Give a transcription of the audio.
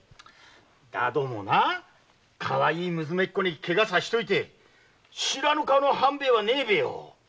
だどもよかわいい娘にケガをさせといて知らぬ顔の半兵衛はねぇべよ。